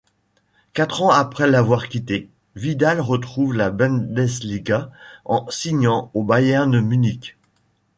Quatre ans après l'avoir quittée, Vidal retrouve la Bundesliga en signant au Bayern Munich.